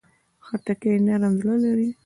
خټکی نرم زړه لري.